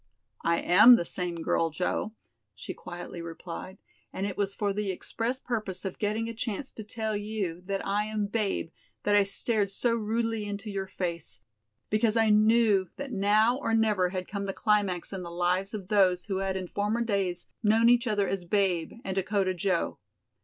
"I am the same girl, Joe," she quietly replied, "and it was for the express purpose of getting a chance to tell you that I am 'Babe' that I stared so rudely into your face, because I knew that now or never had come the climax in the lives of those who had in former days known each other as 'Babe' and 'Dakota Joe'."